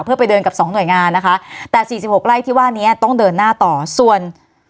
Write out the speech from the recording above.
เพื่อไปเดินกับสองหน่วยงานนะคะแต่สี่สิบหกไล่ที่ว่านี้ต้องเดินหน้าต่อส่วน